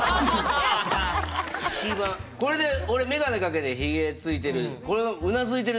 これで俺眼鏡かけてヒゲついてる。